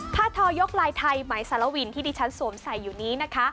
ทอยกลายไทยไหมสารวินที่ดิฉันสวมใส่อยู่นี้นะคะ